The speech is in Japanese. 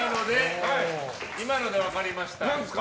今ので分かりました。